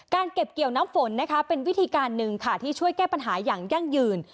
เก็บเกี่ยวน้ำฝนนะคะเป็นวิธีการหนึ่งค่ะที่ช่วยแก้ปัญหาอย่างยั่งยืน